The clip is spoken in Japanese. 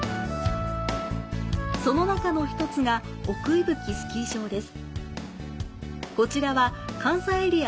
その中の１つが奥伊吹スキー場です。